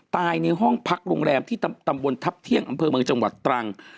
ในห้องพักโรงแรมที่ตำบลทัพเที่ยงอำเภอเมืองจังหวัดตรัง